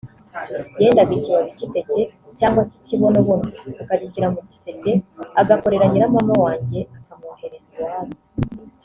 yendaga ikibabi cy’iteke cyangwa cy’ikibonobono akagishyira mu giseke agakorera nyiramama wanjye akamwohereza iwabo